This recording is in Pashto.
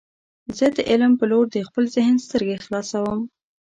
زه د علم په لور د خپل ذهن سترګې خلاصوم.